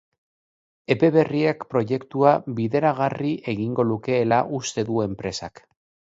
Epe berriak proiektua bideragarri egingo lukeela uste du enpresak.